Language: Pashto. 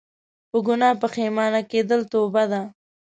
په ګناه پښیمانه کيدل توبه ده